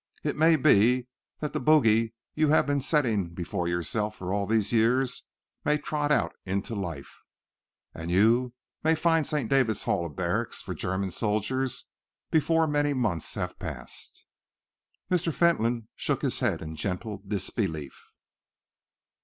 "It may be that the bogey you've been setting before yourself for all these years may trot out into life, and you may find St. David's Hall a barrack for German soldiers before many months have passed." Mr. Fentolin shook his head in gentle disbelief.